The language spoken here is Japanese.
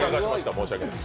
申し訳ない。